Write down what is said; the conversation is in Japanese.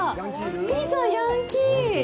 ピザ・ヤンキー！